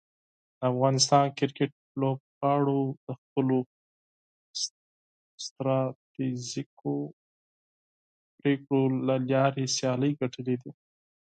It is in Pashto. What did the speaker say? د افغانستان کرکټ لوبغاړو د خپلو ستراتیژیکو فیصلو له لارې سیالۍ ګټلي دي.